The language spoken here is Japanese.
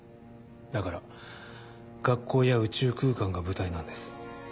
だから学校や宇宙空間が舞台なんです。